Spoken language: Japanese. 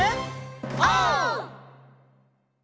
オー！